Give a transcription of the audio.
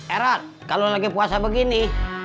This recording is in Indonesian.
erat kalau lagi puasa begini